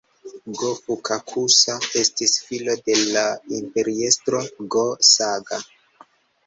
Go-Fukakusa estis filo de la imperiestro Go-Saga.